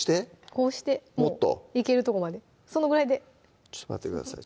こうしていけるとこまでそのぐらいでちょっと待ってください